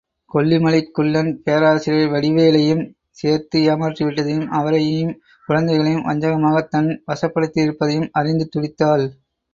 கொல்லிமலைக் குள்ளன் பேராசிரியர் வடிவேலையும் சேர்த்து ஏமாற்றி விட்டதையும், அவரையும் குழந்தைகளையும் வஞ்சகமாகத் தன் வசப்படுத்தியிருப்பதையும் அறிந்து துடித்தாள்.